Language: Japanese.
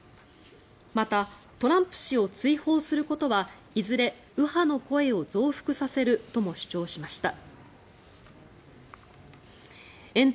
また、トランプ氏を追放することはいずれ右派の声を増幅させるとも主張しました。